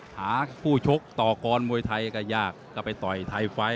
หาคู่ชกต่อกรมวยไทยก็ยากก็ไปต่อยไทยไฟท